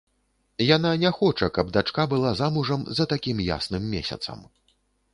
Яна не хоча, каб дачка была замужам за такім ясным месяцам.